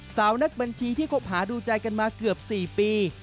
สาวนักบัญชีที่คบหาดูใจกันมาเกือบ๔ปี